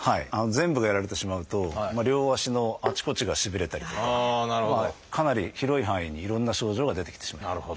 全部がやられてしまうと両足のあちこちがしびれたりとかかなり広い範囲にいろんな症状が出てきてしまう。